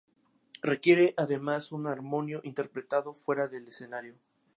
Requiere además un armonio interpretado fuera del escenario.